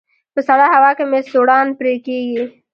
په سړه هوا کې مې سوڼان پرې کيږي